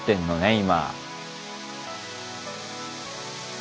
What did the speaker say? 今。